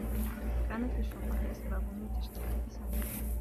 كانت للشرطة أسباب لتشتبه بسامي.